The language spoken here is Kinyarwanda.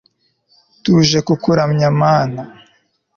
tuje kukuramya mana